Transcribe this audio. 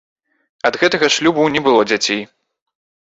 Ад гэтага шлюбу не было дзяцей.